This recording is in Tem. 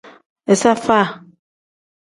Iza faa.